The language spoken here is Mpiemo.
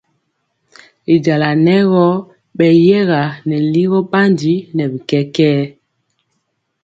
Y jala nɛ gɔ beyɛga nɛ ligɔ bandi nɛ bi kɛkɛɛ.